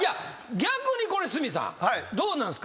逆にこれ角さんどうなんですか？